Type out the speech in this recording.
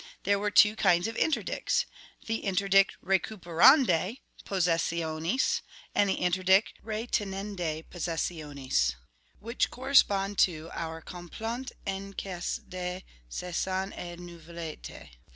There were two kinds of interdicts, the interdict recuperandae possessionis, and the interdict retinendae possessionis, which correspond to our complainte en cas de saisine et nouvelete.